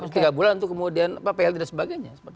tiga bulan untuk kemudian plt dan sebagainya